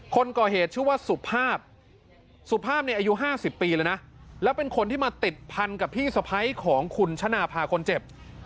คนก่อเหตุชื่อว่าสุภาพสุภาพเนี่ยอายุ๕๐ปีแล้วนะแล้วเป็นคนที่มาติดพันกับพี่สะพ้ายของคุณชนะภาคนเจ็บ